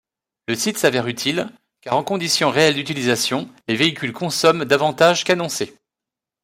Ce site s'avère utile, car en conditions réelles d'utilisation, les véhicules consomment davantage qu'annoncé.